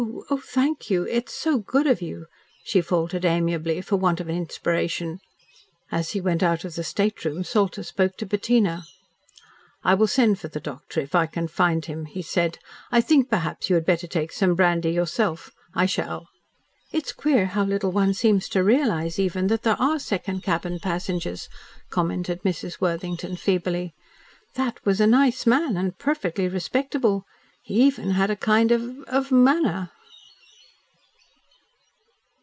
"Oh! thank you. It's so good of you," she faltered amiably, for want of inspiration. As he went out of the stateroom, Salter spoke to Bettina. "I will send the doctor, if I can find him," he said. "I think, perhaps, you had better take some brandy yourself. I shall." "It's queer how little one seems to realise even that there are second cabin passengers," commented Mrs. Worthington feebly. "That was a nice man, and perfectly respectable. He even had a kind of of manner."